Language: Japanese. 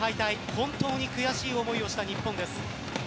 本当に悔しい思いをした日本です。